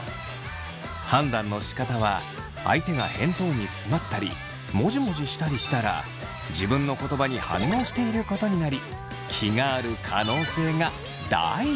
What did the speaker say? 判断のしかたは相手が返答に詰まったりもじもじしたりしたら自分の言葉に反応していることになり気がある可能性が大。